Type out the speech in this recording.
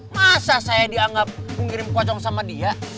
masa saya dianggap mengirim kocong sama dia